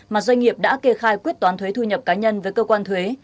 mà doanh nghiệp đã kê khai quyết toán thuế thu nhập cá nhân với cơ quan thuế